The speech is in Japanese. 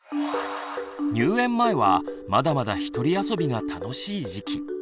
入園前はまだまだひとり遊びが楽しい時期。